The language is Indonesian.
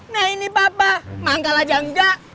nah ini papa manggal aja enggak